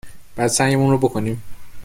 باید سعیمون رو بکنیم؟-